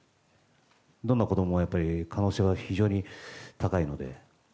どんな子供も可能性は非常に高いので。